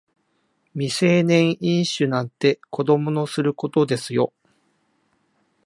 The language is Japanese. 未成年飲酒なんて子供のすることですよ